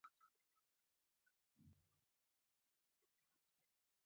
رسوب د افغان ماشومانو د زده کړې موضوع ده.